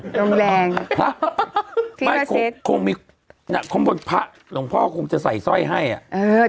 คงเฉยว่ายังคงพระหลงพ่อคงจะใส่สร้อยให้อ่ะ